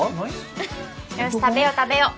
よし食べよう食べよう。